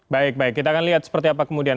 baik baik kita akan lihat seperti apa kemudian